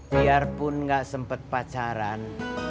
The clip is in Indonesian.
biarpun gak sempet pacaran